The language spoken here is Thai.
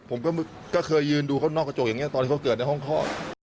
ผมก็เคยยืนดูเขานอกกระจกอย่างนี้ตอนที่เขาเกิดในห้องคลอด